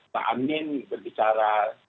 pak amnin berbicara